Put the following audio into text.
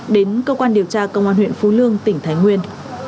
đến cơ quan điều tra công an huyện phú lương tỉnh thái nguyên